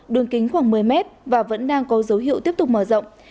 đường kính khoảng một mươi mét và vẫn đang có dấu hiệu tiếp tục mở rộng